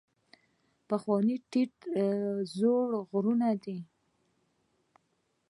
پخواني ټیټ زاړه غرونه دي.